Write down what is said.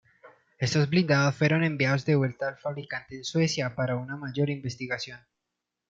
Estos blindados fueron enviados de vuelta al fabricante en Suecia para una mayor investigación.